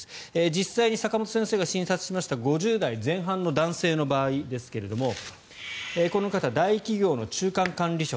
実際に坂元先生が診察した５０代前半の男性の場合ですがこの方、大企業の中間管理職。